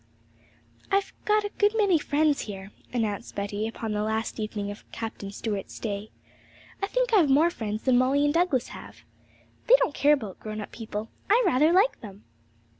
'I've a good many friends here,' announced Betty upon the last evening of Captain Stuart's stay; 'I think I've more friends than Molly and Douglas have. They don't care about grown up people: I rather like them!'